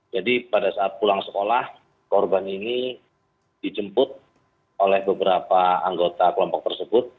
jadi pada saat pulang sekolah korban ini dijemput oleh beberapa anggota kelompok tersebut